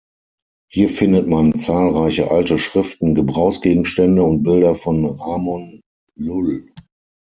Hier findet man zahlreiche alte Schriften, Gebrauchsgegenstände und Bilder von Ramon Llull.